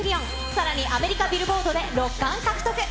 さらにアメリカビルボードで６冠獲得。